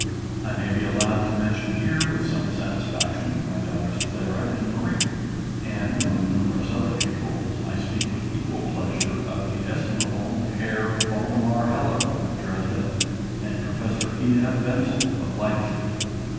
I may be allowed to mention here, with some satisfaction, my daughters Clara and Marie; and, among numerous other pupils, I speak with equal pleasure of the estimable Herr Waldemar Heller, of Dresden, and Prof. E.F. Wenzel, of Leipzig.